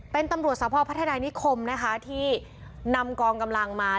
เป็นตำรวจทภัทธานายนิขมที่นำกองกำลังมา